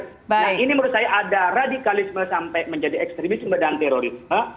nah ini menurut saya ada radikalisme sampai menjadi ekstremisme dan terorisme